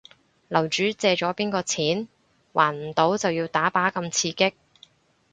樓主借咗邊個錢？還唔到就要打靶咁刺激